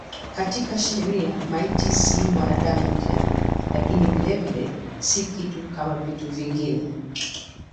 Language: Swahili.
Katika sheria maiti si mwanadamu tena lakini vilevile si kitu kama vitu vingine.